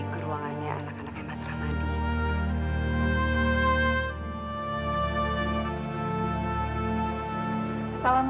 ke ruangannya anak anaknya mas ramadi